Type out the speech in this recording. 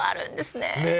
ねえ。